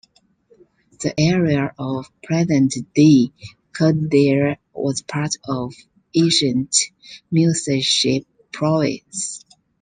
The area of present-day Kodaira was part of ancient Musashi Province.